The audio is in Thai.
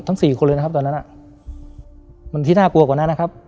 สี่คนเลยนะครับตอนนั้นมันที่น่ากลัวกว่านั้นนะครับ